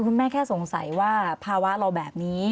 คุณแม่แค่สงสัยว่าภาวะเราแบบนี้